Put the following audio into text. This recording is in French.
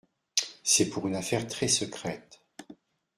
C'est pour une affaire très secrète.